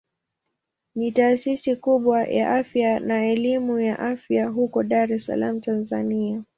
Ni taasisi kubwa ya afya na elimu ya afya huko Dar es Salaam Tanzania.